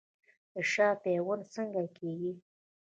د شاخ پیوند څنګه کیږي؟